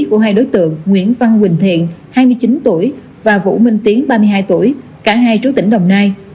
của hai đối tượng nguyễn văn quỳnh thiện hai mươi chín tuổi và vũ minh tiến ba mươi hai tuổi cả hai chú tỉnh đồng nai